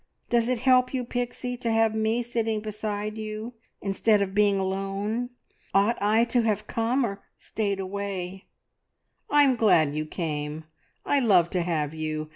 Does it help you, Pixie, to have me sitting beside you, instead of being alone? Ought I to have come, or stayed away?" "I'm glad you came; I love to have you.